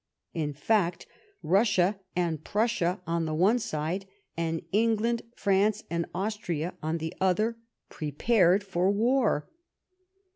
In fivct, Russia and Prussia on the one side, and England, France, and Austria on the other, prepared for war.